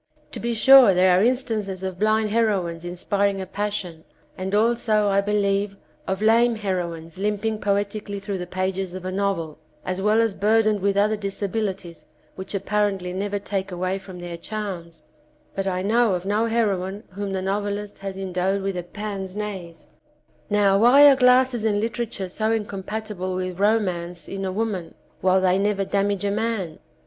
To be sure there are instances of blind heroines inspiring a passion, and also, I believe, of lame heroines hmping poeti cally through the pages of a novel, as well as burdened with other disabiUties which apparently never take away from their charms; but I know of no heroine whom the novelist has endowed with a pince nez. 222 Roman ce and E ye glas s e s Now why are glasses in literature so incom patible with romance in a woman while they never damage a man